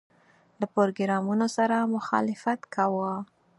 له پروګرامونو سره مخالفت کاوه.